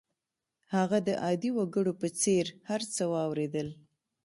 هغه د عادي وګړو په څېر هر څه واورېدل